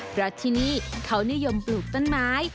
เพราะที่นี่เขานิยมปลูกต้นไม้